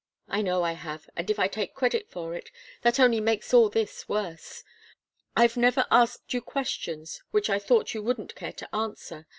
"I know I have, and if I take credit for it, that only makes all this worse. I've never asked you questions which I thought you wouldn't care to answer.